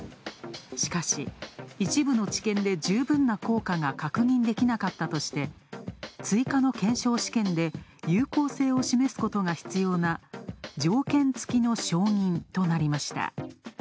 しかし、一部の治験で十分な効果が確認できなかったとして追加の検証試験で有効性を示すことが必要な条件付の承認となりました。